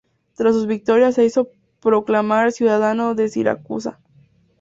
Tras sus victorias se hizo proclamar ciudadano de Siracusa.